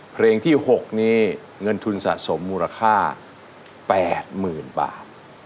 เพลงที่๖นี้เงินทุนสะสมมูลค่า๘๐๐๐บาท